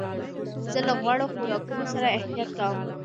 زه له غوړو خوراکونو سره احتياط کوم.